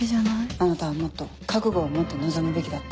あなたはもっと覚悟を持って臨むべきだった。